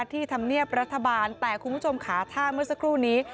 ธรรมเนียบรัฐบาลแต่คุณผู้ชมค่ะถ้าเมื่อสักครู่นี้